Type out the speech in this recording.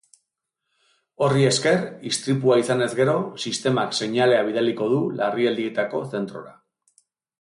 Horri esker, istripua izanez gero, sistemak seinalea bidaliko du larrialdietako zentrora.